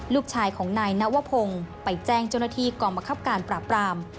ลูกชายของนายนวพงศ์ไปแจ้งเจ้าหน้าที่กองบังคับการปราบราม